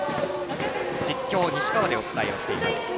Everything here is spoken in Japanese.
実況、西川でお伝えしています。